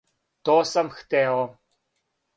То сам хтео.